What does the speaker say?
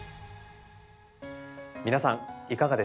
皆さんいかがでしたか？